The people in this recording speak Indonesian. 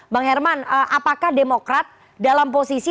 bang herman apakah demokrat dalam posisi